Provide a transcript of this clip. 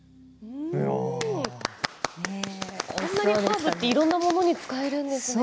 こんなにハーブっていろいろなものに使えるんですね。